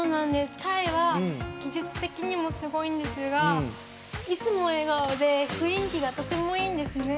タイは技術的にもすごいんですがいつも笑顔で雰囲気がとてもいいんですね。